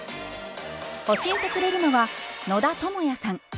教えてくれるのは野田智也さん。